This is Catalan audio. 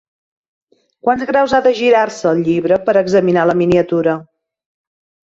Quants graus ha de girar-se el llibre per examinar la miniatura?